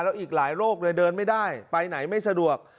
แล้วอีกหลายโรคเลยเดินไม่ได้ไปไหนไม่สะดวก